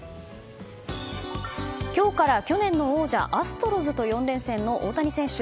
今日から去年の王者アストロズと４連戦の大谷選手。